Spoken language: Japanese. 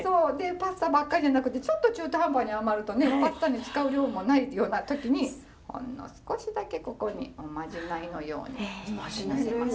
パスタばっかりじゃなくてちょっと中途半端に余るとパスタに使う量もないような時にほんの少しだけここにおまじないのようにのせます。